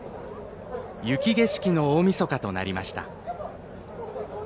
雪景色の大みそかとなりました。